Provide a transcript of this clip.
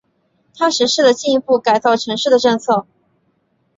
他实施了进一步改造城市的政策。